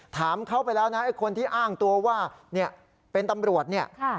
ถามเขาไปแล้วนะคนที่อ้างตัวว่าเป็นตำรวจ